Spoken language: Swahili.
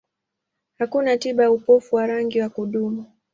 Hakuna tiba ya upofu wa rangi wa kudumu.